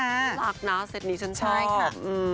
รักนะเสร็จนี้ฉันชอบ